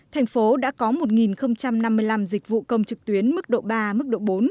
thành phố đã có một năm mươi năm dịch vụ công trực tuyến mức độ ba bốn